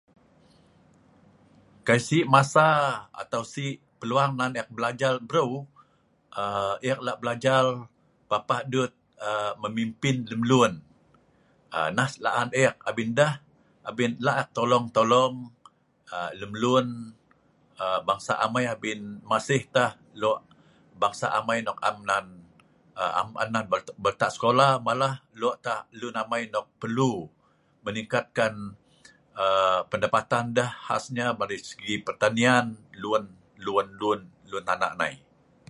kai sik masa atau sik peluang nan ek belajar breu um ek lak belajar papah dut um memimpin lem lun um neh sik la'an ek abin ndeh abin lak ek tolong tolong um lem lun um bangsa amei abin masih teh lok bangsa amei nok am nan um am nan um beltak sekola malah lok tah lun amai nok perlu meningkatkan um pendapatan deh khasnya dari segi pertanian lun lun lun lun tana' nai